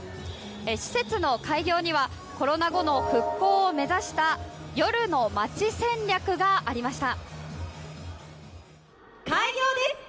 施設の開業にはコロナ後の復興を目指した夜の街戦略がありました。